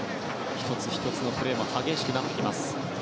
１つ１つのプレーも激しくなっています。